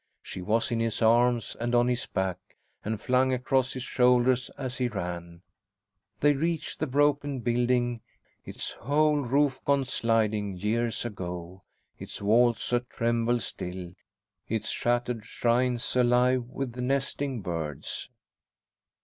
She was in his arms and on his back and flung across his shoulders, as he ran. They reached the broken building, its whole roof gone sliding years ago, its walls a tremble still, its shattered shrines alive with nesting birds.